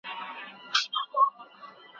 وزرماتي زاڼي ګرځي آشیانه له کومه راوړو